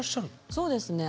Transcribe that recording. そうですね。